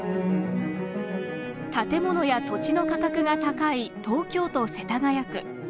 建物や土地の価格が高い東京都世田谷区。